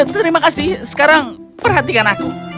terima kasih sekarang perhatikan aku